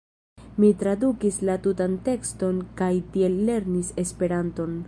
Mi tradukis la tutan tekston kaj tiel lernis Esperanton.